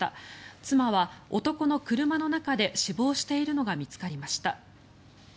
妻は、男の車の中で死亡しているのが見つかりました。